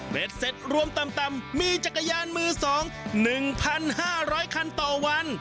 เบ็ดเซ็ตรวมต่ำมีจักรยานมือสอง๑๕๐๐คันต่อวัน